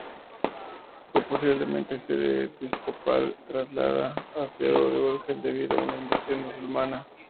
Fue posiblemente sede episcopal, trasladada a Seo de Urgel debido a la invasión musulmana.